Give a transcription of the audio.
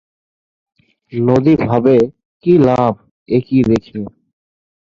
নদী ভাবে কি লাভ এ কি রেখে?